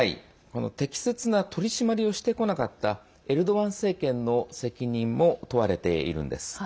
適切な取り締まりをしてこなかったエルドアン政権の責任も問われているんです。